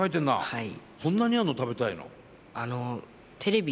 はい。